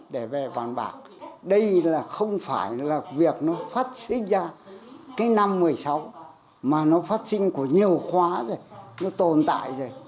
đây không phải là việc nó phát sinh ra cái năm một mươi sáu mà nó phát sinh của nhiều khóa rồi nó tồn tại rồi